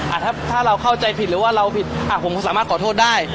ถ้าถ้าเราเข้าใจผิดหรือว่าเราผิดอ่ะผมก็สามารถขอโทษได้